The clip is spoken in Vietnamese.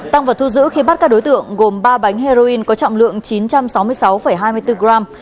tăng vật thu giữ khi bắt các đối tượng gồm ba bánh heroin có trọng lượng chín trăm sáu mươi sáu hai mươi bốn gram